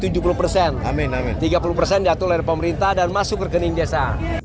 tiga puluh jatuh dari pemerintah dan masuk ke rekening desa